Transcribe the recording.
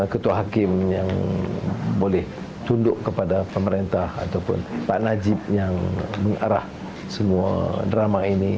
ketua hakim yang boleh tunduk kepada pemerintah ataupun pak najib yang mengarah semua drama ini